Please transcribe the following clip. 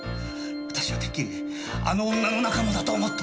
私はてっきりあの女の仲間だと思った！